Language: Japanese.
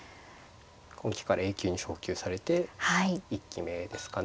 今期からＡ級に昇級されて１期目ですかね。